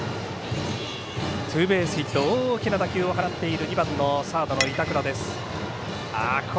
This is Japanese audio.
ツーベースヒット大きな打球を放っている２番サードの板倉です。